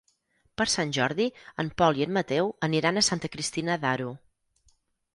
Per Sant Jordi en Pol i en Mateu aniran a Santa Cristina d'Aro.